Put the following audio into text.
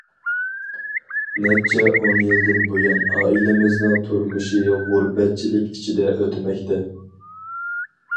نەچچە ئون يىلدىن بۇيان ئائىلىمىزنىڭ تۇرمۇشى غۇربەتچىلىك ئىچىدە ئۆتمەكتە.